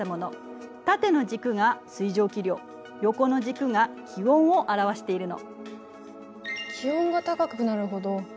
縦の軸が水蒸気量横の軸が気温を表しているの。